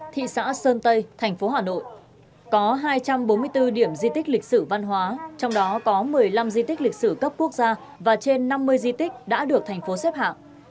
thị xã sơn tây thành phố hà nội có hai trăm bốn mươi bốn điểm di tích lịch sử văn hóa trong đó có một mươi năm di tích lịch sử cấp quốc gia và trên năm mươi di tích đã được thành phố xếp hạng